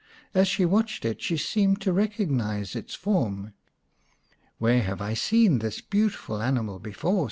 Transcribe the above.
As she watched it she seemed to recognise its form. " Where have I seen this beautiful animal before ?